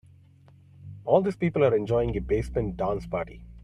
All these people are enjoying a basement dance party.